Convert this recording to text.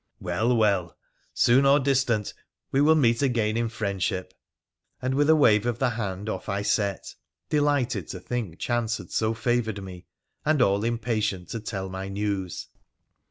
• Well ! well ! Soon or distant, we will meet again in friendship,' and, with a wave of the hand, off I set, delighted to think chance had so favoured me, and all impatient to tell my news.